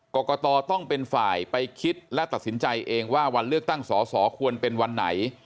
กรกตต้องเป็นฝ่ายไปคิดและตัดสินใจเองว่าวันเลือกตั้งสอสอควรเป็นวันไหน